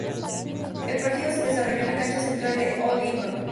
El partido se desarrolló en la Cancha Central del All England.